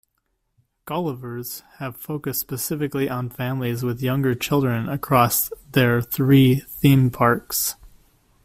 Gulliver's have focused specifically on families with younger children across their three theme parks.